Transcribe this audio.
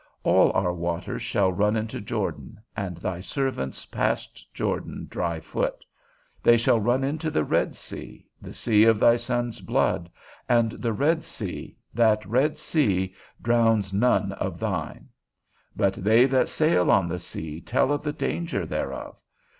All our waters shall run into Jordan, and thy servants passed Jordan dry foot; they shall run into the red sea (the sea of thy Son's blood), and the red sea, that red sea, drowns none of thine: but they that sail on the sea tell of the danger thereof.